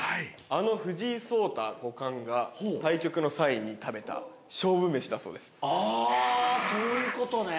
あの藤井聡太五冠が対局の際に食べた勝負飯だそうです。